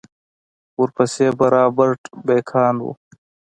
ورپسې به رابرټ بېکان و.